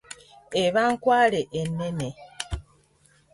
Eba nkwale ennene.